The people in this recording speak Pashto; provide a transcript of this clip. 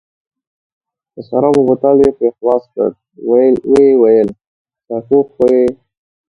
د شرابو بوتل یې پرې خلاص کړ، ویې ویل: سرپوښ خو یې.